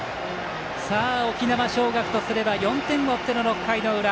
沖縄尚学とすれば４点を追っての６回の裏。